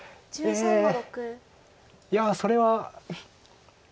いやそれは。